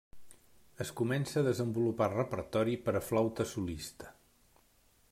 Es comença a desenvolupar repertori per a flauta solista.